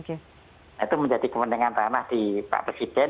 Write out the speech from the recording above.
itu menjadi kepentingan tanah di pak presiden